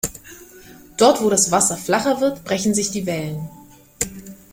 Dort, wo das Wasser flacher wird, brechen sich die Wellen.